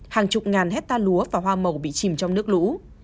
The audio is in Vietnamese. hàng chục ngàn hecta lúa và hoa màu bị chìm trong nước lũ